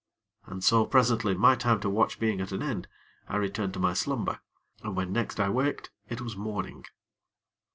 And so, presently, my time to watch being at an end, I returned to my slumber, and when next I waked it was morning.